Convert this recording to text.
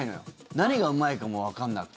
何がうまいかもわかんなくて。